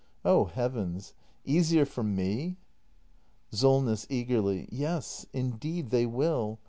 Oh Heavens — easier for me ! Solness. [Eagerly.] Yes, indeed they will!